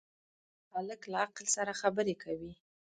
هلک له عقل سره خبرې کوي.